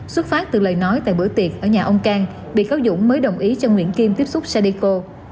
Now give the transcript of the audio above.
xuất phát từ lời nói tại bữa tiệc ở nhà ông cang bị cáo dũng mới đồng ý cho nguyễn kim tiếp xúc sadeco